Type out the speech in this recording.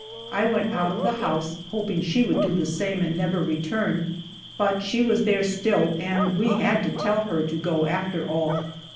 I went out of the house hoping she would do the same and never return, but she was there still, and we had to tell her to go, after all.